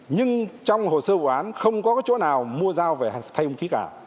nhưng trong hồ sơ vụ án không có chỗ nào mua dao về thay hung khí cả